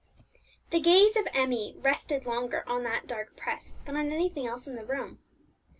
The gaze of Emmie rested longer on that dark press than on anything else in the room.